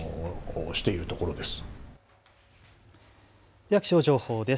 では気象情報です。